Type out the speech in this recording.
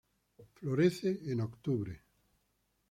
Florece en octubre.